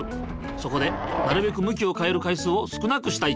そこでなるべく向きを変える回数を少なくしたい。